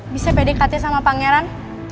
bisa berdekatnya sama pangeran